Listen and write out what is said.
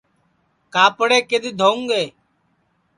کاپڑے کِدؔ دھوں گے